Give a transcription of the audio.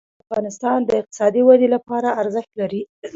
طلا د افغانستان د اقتصادي ودې لپاره ارزښت لري.